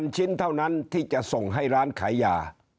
ชิ้นเท่านั้นที่จะส่งให้ร้านขายยา